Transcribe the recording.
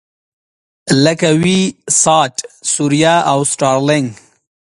لکه وي-ساټ، ثریا او سټارلېنک.